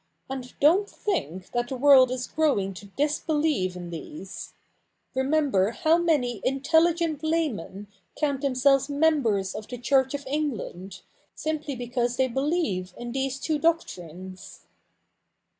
A.ij^ :.don't think that the world is growing to disbelieve in ii^^^tflemember how many inteUigent laymen counjt . ^.fifi^^l^s members of the Church of England, sirftply.,,j^^a^e they believe in these two doctrines.'